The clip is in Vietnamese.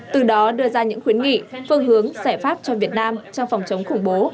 từ đó đưa ra những khuyến nghị phương hướng giải pháp cho việt nam trong phòng chống khủng bố